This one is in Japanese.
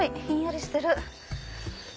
ひんやりしてる。